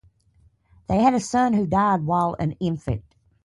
They had a son who died while an infant.